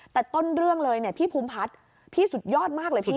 แต่ต้นเรื่องเลยเนี่ยพี่ภูมิพัฒน์พี่สุดยอดมากเลยพี่